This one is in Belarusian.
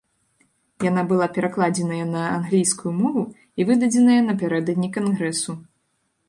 Яна была перакладзеная на англійскую мову і выдадзеная напярэдадні кангрэсу.